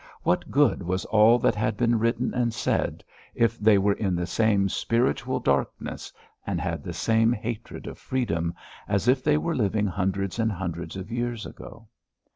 What good was all that had been written and said, if they were in the same spiritual darkness and had the same hatred of freedom, as if they were living hundreds and hundreds of years ago?